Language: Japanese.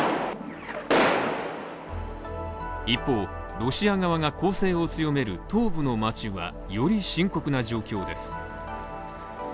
一方、ロシア側が攻勢を強める東部の街はより深刻な状況です。